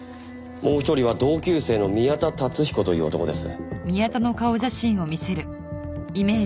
もう一人は同級生の宮田達彦という男です。